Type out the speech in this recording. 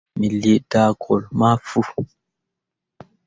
Me lii daagolle ma fu.